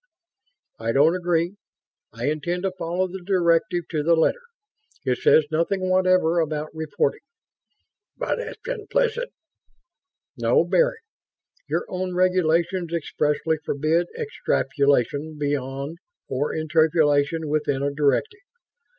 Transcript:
"I don't agree. I intend to follow the directive to the letter. It says nothing whatever about reporting." "But it's implicit...." "No bearing. Your own Regulations expressly forbid extrapolation beyond or interpolation within a directive.